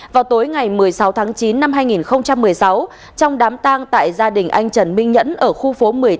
vào tối ngày một mươi sáu tháng chín năm hai nghìn một mươi sáu trong đám tang tại gia đình anh trần minh nhẫn ở khu phố một mươi tám